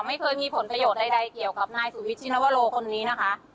ไม่เคยมีผลประโยชน์ใดเกี่ยวกับนายสุวิทชินวโลคนนี้นะคะ